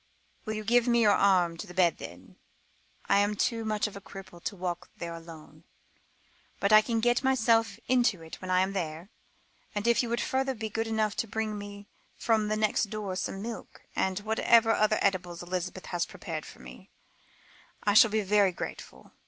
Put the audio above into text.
"Will you give me your arm to the bed then? I am too much of a cripple to walk there alone, but I can get myself into it when I am there. And if you would further be good enough to bring me from next door some milk, and whatever other eatables Elizabeth has prepared for me, I shall be very grateful.